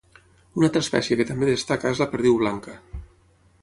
Una altra espècie que també destaca és la perdiu blanca.